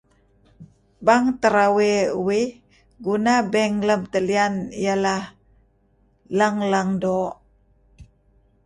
Bang terawe uih guna bank lam talian lang-lang doo'.